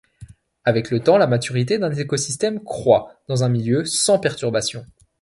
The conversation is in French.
Avec le temps, la maturité d'un écosystème croît, dans un milieu sans perturbations.